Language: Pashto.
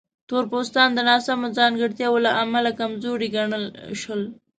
تور پوستان د ناسمو ځانګړتیاوو له امله کمزوري ګڼل شول.